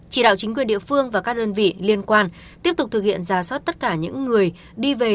chỉ đạo chính quyền địa phương và các đơn vị liên quan tiếp tục thực hiện ra soát tất cả những người đi về